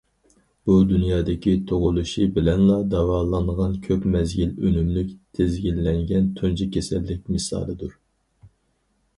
بۇ دۇنيادىكى تۇغۇلۇشى بىلەنلا داۋالانغان، كۆپ مەزگىل ئۈنۈملۈك تىزگىنلەنگەن تۇنجى كېسەللىك مىسالىدۇر.